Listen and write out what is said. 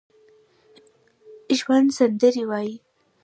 ژوندي سندرې وايي